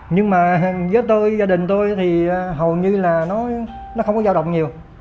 nhưng mà với tôi gia đình tôi thì hầu như là nó không có giao động nhiều